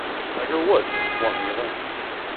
Tiger Woods won the event.